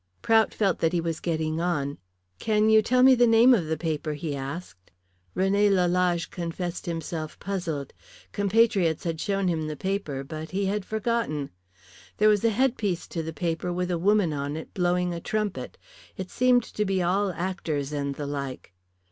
Prout felt that he was getting on. "Can you tell me the name of the paper?" he asked. René Lalage confessed himself puzzled. Compatriots had shown him the paper, but he had forgotten. There was a headpiece to the paper with a woman on it blowing a trumpet. It seemed to be all actors and the like.